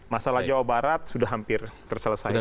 masalah jawa barat sudah hampir terselesaikan